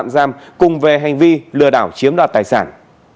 gây hành vi lừa đảo chiếm đoạt tài sản